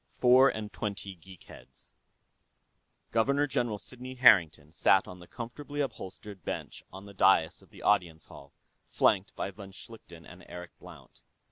III. Four and Twenty Geek Heads Governor General Sidney Harrington sat on the comfortably upholstered bench on the dais of the Audience Hall, flanked by von Schlichten and Eric Blount.